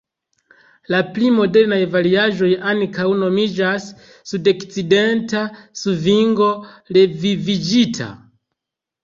La pli modernaj variaĵoj ankaŭ nomiĝas "sudokcidenta svingo revivigita".